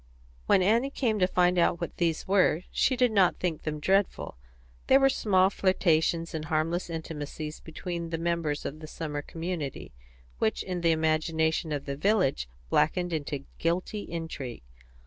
When Annie came to find out what these were, she did not think them dreadful; they were small flirtations and harmless intimacies between the members of the summer community, which in the imagination of the village blackened into guilty intrigue.